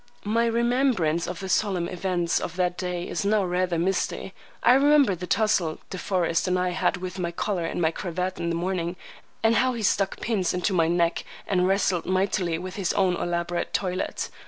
My remembrance of the solemn events of that day is now rather misty. I remember the tussle De Forest and I had with my collar and cravat in the morning, and how he stuck pins into my neck, and wrestled mightily with his own elaborate toilet.